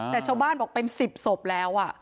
แต่ชาวบ้านบอกเป็น๑๐ศพแล้ว